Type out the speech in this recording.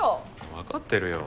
分かってるよ